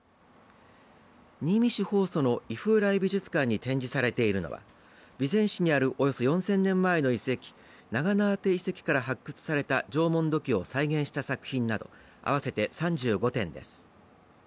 新見市法曽の猪風来美術館に展示されているのは備前市にあるおよそ４０００年前の遺跡長縄手遺跡から発掘された縄文土器を再現した作品など合わせて３５点です。